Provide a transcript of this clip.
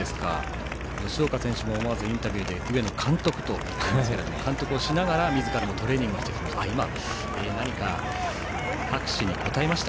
吉岡選手も思わずインタビューで上野監督と言っていましたが監督しながらみずからもトレーニングをしてきました。